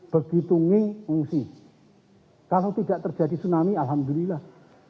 begitu misi kalau tidak terjadi tsunami alhamdulillah